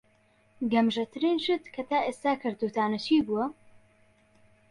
گەمژەترین شت کە تا ئێستا کردووتانە چی بووە؟